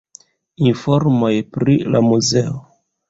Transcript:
Informoj pri la muzeo.